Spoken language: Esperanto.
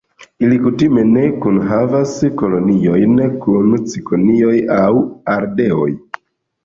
Ili kutime ne kunhavas koloniojn kun cikonioj aŭ ardeoj.